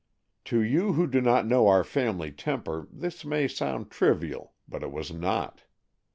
To you who do not know our family temper this may sound trivial, but it was not.